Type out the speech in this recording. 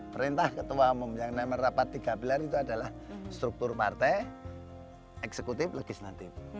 perintah ketua umum yang merapat di gabilar itu adalah struktur partai eksekutif legislatif